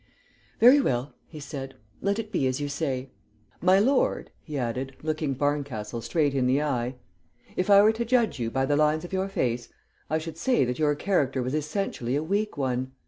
"Very well," he said, "let it be as you say. My lord," he added, looking Barncastle straight in the eye, "if I were to judge you by the lines of your face, I should say that your character was essentially a weak one.